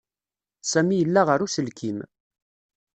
Sami yella ɣer uselkim.